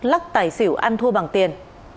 lắc tài xỉu ăn thua bằng tiền